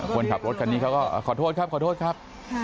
คนขับรถคันนี้เขาก็ขอโทษครับขอโทษครับ